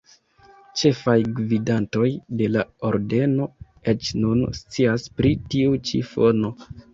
Ĉefaj gvidantoj de la Ordeno eĉ nun scias pri tiu ĉi fono.